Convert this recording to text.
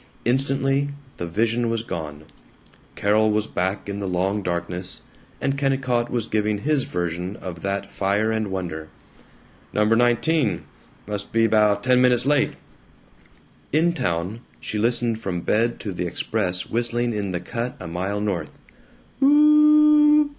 Instantly the vision was gone; Carol was back in the long darkness; and Kennicott was giving his version of that fire and wonder: "No. 19. Must be 'bout ten minutes late." In town, she listened from bed to the express whistling in the cut a mile north.